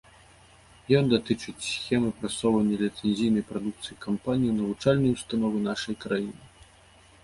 Ён датычыць схемы прасоўвання ліцэнзійнай прадукцыі кампаніі ў навучальныя ўстановы нашай краіны.